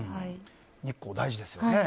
日光、大事ですよね。